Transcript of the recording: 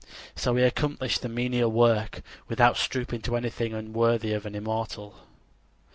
So he accomplished the menial work without stooping to anything unworthy of an immortal.